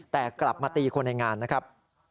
แต่กลับมาตีคนในงานนะครับ